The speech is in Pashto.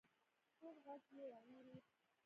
کوم غږ يې وانه ورېد.